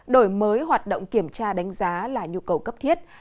đổi mới hoạt động kiểm tra đánh giá là nhu cầu cấp thiết